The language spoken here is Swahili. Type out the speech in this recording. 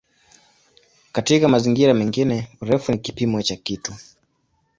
Katika mazingira mengine "urefu" ni kipimo cha kitu.